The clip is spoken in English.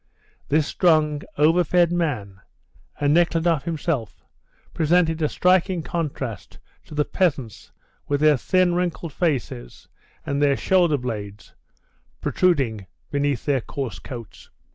This strong, over fed man, and Nekhludoff himself, presented a striking contrast to the peasants, with their thin, wrinkled faces and the shoulder blades protruding beneath their coarse coats.